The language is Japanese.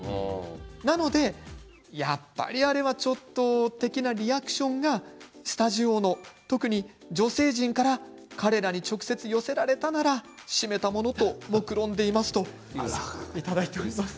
なのでやっぱり、あれはちょっと的なリアクションがスタジオの特に女性陣から彼らに直接、寄せられたならしめたものともくろんでいます。」と、いただいております。